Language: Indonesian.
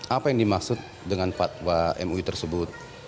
apa yang dimaksud dengan fatwa mui tersebut